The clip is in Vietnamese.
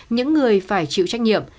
những người phải chịu trách nhiệm